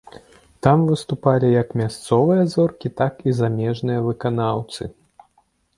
Там выступалі як мясцовыя зоркі, так і замежныя выканаўцы.